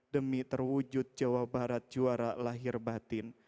demi terwujud jawa barat juara lahir batin